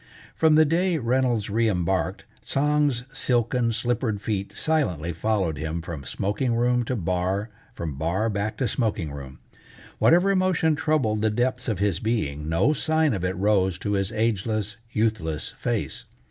From the day Reynolds reëmbarked, Tsang's silken, slippered feet silently followed him from smoking room to bar, from bar back to smoking room. Whatever emotion troubled the depths of his being, no sign of it rose to his ageless, youthless face.